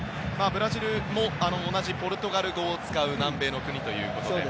ブラジルも同じポルトガル語を使う南米の国ということで。